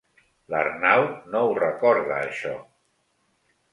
L'Arnau no ho recorda, això.